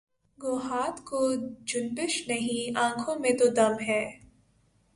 گو ہاتھ کو جنبش نہیں آنکھوں میں تو دم ہے